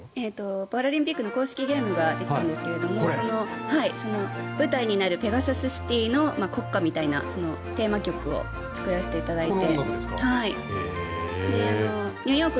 パラリンピックの公式ゲームができたんですけれども舞台になるペガサスシティの国歌みたいなテーマ曲を作らせていただいて。